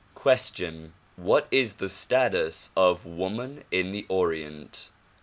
Question: What is the status of woman in the Orient?